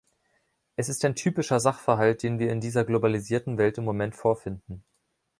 Es ist ein typischer Sachverhalt, den wir in dieser globalisierten Welt im Moment vorfinden.